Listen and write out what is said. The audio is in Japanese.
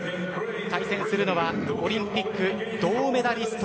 対戦するのはオリンピック銅メダリスト